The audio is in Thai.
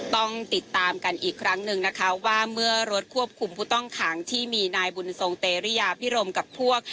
ต้องติดตามกันอีกครั้งหนึ่งนะคะว่าเมื่อรถควบคุมผู้ต้องขังที่มีนายบุญทรงเตรียาพิรมกับพวก